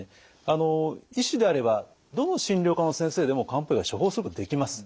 あの医師であればどの診療科の先生でも漢方薬は処方することができます。